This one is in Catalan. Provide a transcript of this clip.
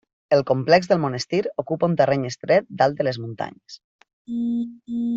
El complex del monestir ocupa un terreny estret, dalt de les muntanyes.